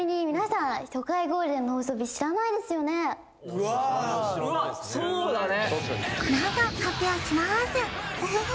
うわーうわっそうだね